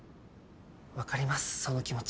分かりますその気持ち。